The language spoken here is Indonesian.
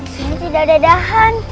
sini tidak ada dahan